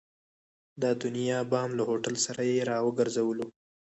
د دنیا بام له هوټل سره یې را وګرځولو.